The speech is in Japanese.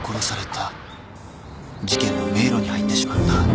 事件は迷路に入ってしまった］